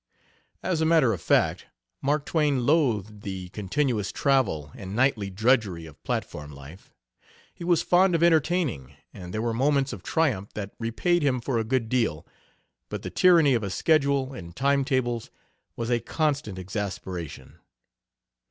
As a matter of fact, Mark Twain loathed the continuous travel and nightly drudgery of platform life. He was fond of entertaining, and there were moments of triumph that repaid him for a good deal, but the tyranny of a schedule and timetables was a constant exasperation.